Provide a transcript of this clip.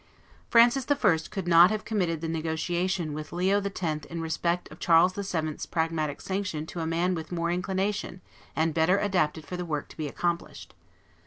Francis I. could not have committed the negotiation with Leo X. in respect of Charles VII.'s Pragmatic Sanction to a man with more inclination and better adapted for the work to be accomplished.